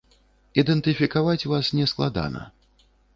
Ідэнтыфікаваць вас не складана.